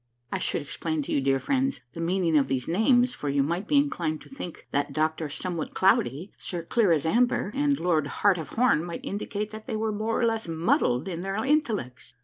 I should explain to you, dear friends, the meaning of these names, for you might be inclined to think that Doctor Somewhat Cloudy, Sir Clear as Amber ; and Lord Heart of Horn might indicate that they were more or less muddled in their intellects.